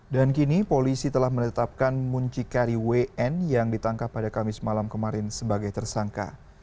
dan kini polisi telah menetapkan muncikari wn yang ditangkap pada kamis malam kemarin sebagai tersangka